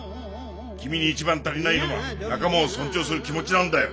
君に一番足りないのは仲間を尊重する気持ちなんだよ！